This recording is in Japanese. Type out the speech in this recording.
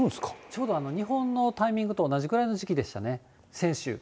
ちょうど日本のタイミングと同じぐらいの時期でしたね、先週。